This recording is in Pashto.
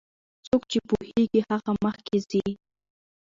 څوک چې پوهیږي هغه مخکې ځي.